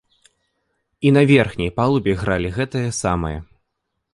І на верхняй палубе гралі гэтае самае.